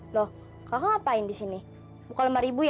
loh kakak ngapain disini buka lembar ibu ya